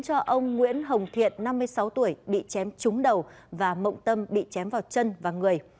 cho ông nguyễn hồng thiện năm mươi sáu tuổi bị chém trúng đầu và mộng tâm bị chém vào chân và người